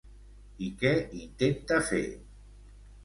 I què intenta fer?